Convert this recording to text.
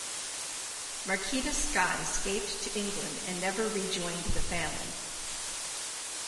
Marquita Scott escaped to England and never rejoined the family.